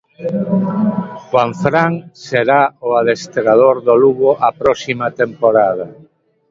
Juanfran será o adestrador do Lugo a próxima temporada.